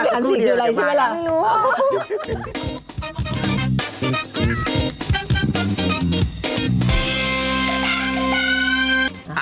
โรงวิหาร๔ดูอะไรใช่ไหมล่ะ